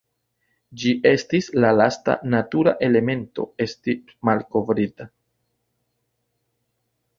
Ĝi estis la lasta natura elemento esti malkovrita.